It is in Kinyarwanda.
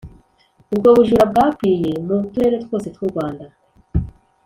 Ubwo bujura bwakwiye mu turere twose tw’u Rwanda